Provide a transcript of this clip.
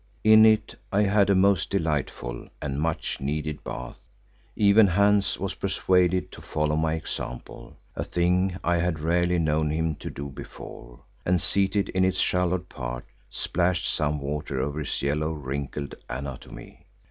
In it I had a most delightful and much needed bath. Even Hans was persuaded to follow my example—a thing I had rarely known him to do before—and seated in its shallowest part, splashed some water over his yellow, wrinkled anatomy.